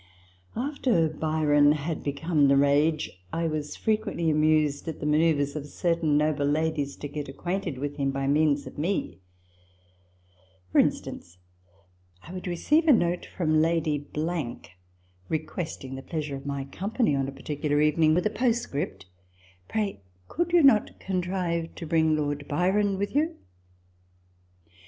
After Byron had become the rage, I was fre quently amused at the manoeuvres of certain noble ladies to get acquainted with him by means of me : for instance, I would receive a note from Lady requesting the pleasure of my company on a parti cular evening, with a postscript, " Pray, could you not contrive to bring Lord Byron with you